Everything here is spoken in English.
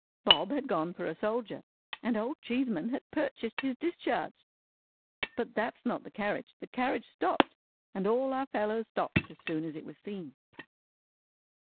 Bob had gone for a soldier, and Old Cheeseman had purchased his discharge. But that's not the carriage. The carriage stopped, and all our fellows stopped as soon as it was seen.